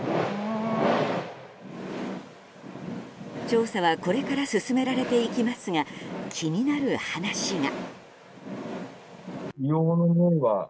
調査はこれから進められていきますが気になる話が。